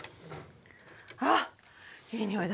あっいい匂いだ。